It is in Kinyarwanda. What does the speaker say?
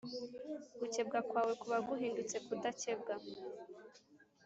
gukebwa kwawe kuba guhindutse kudakebwa.